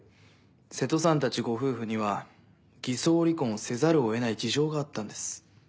瀬戸さんたちご夫婦には偽装離婚をせざるを得ない事情があったんです。